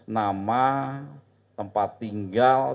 nama tempat tinggal